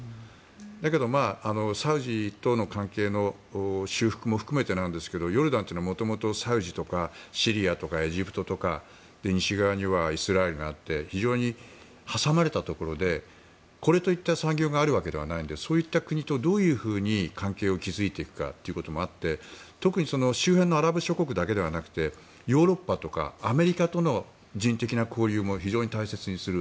だけど、サウジとの関係の修復も含めてなんですがヨルダンというのは元々サウジとかシリアとかエジプトとか西側にはイスラエルがあって非常に挟まれたところでこれといった産業があるわけではないのでそういった国とどういうふうに関係を築いていくかというのもあって特に周辺のアラブ諸国だけではなくてヨーロッパとかアメリカとの人的な交流も非常に大切にする。